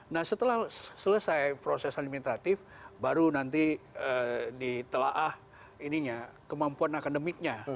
nah setelah selesai proses administratif baru nanti ditelaah kemampuan akademiknya